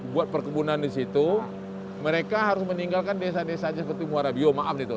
buat perkebunan di situ mereka harus meninggalkan desa desa seperti muarabiyo maaf tuk